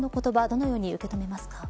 どのように受け止めますか。